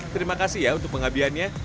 terima kasih ya untuk pengabdiannya